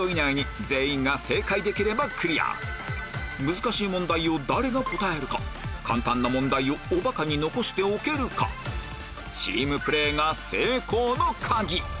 難しい問題を誰が答えるか簡単な問題をおバカに残しておけるかチームプレーが成功の鍵